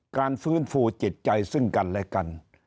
การฟื้นฟูจิตใจซึ่งกันและกัน